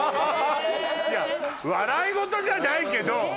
いや笑い事じゃないけど。